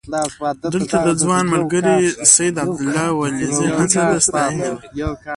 دلته د ځوان ملګري سید عبدالله ولیزي هڅه د ستاینې ده.